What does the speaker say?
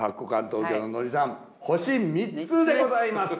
東京の野地さん星３つでございます。